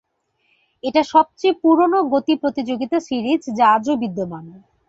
এট সবচেয়ে পুরোনো গতি প্রতিযোগিতা সিরিজ যা আজও বিদ্যমান।